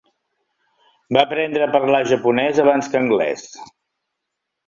Va aprendre a parlar japonès abans que anglès.